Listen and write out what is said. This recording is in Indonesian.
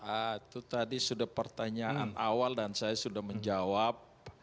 itu tadi sudah pertanyaan awal dan saya sudah menjawab